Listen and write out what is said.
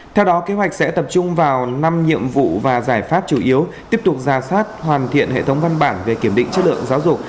theo đó kế hoạch sẽ tập trung vào năm nhiệm vụ và giải pháp chủ yếu tiếp tục ra soát hoàn thiện hệ thống văn bản về kiểm định chất lượng giáo dục